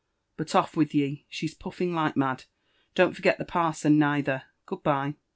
But off with ye— she'g poiBog like mad. Don't forget the parson neither. — Good bye."